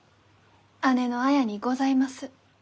姉の綾にございます。